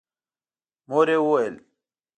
مور يې وويل: